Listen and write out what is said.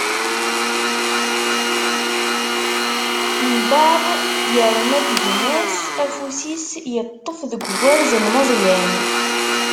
Mbeɛb, irna-d gma-s, afus-is iṭṭef deg ugerz n Meẓyan.